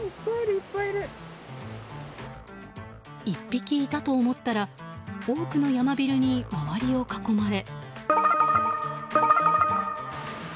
１匹いたと思ったら多くのヤマビルに周りを囲まれ。